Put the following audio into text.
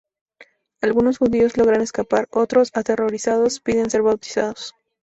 Algunos judíos logran escapar; otros, aterrorizados, piden ser bautizados.